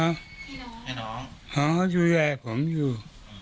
อ่ะจุศาสตร์ผมอยู่